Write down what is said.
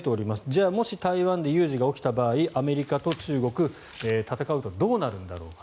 じゃあ、もし台湾で有事が起きた場合アメリカと中国戦うとどうなるんだろう。